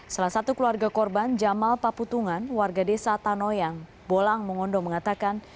salah satu keluarga korban jamal paputungan warga desa tanoyang bolang mongondo mengatakan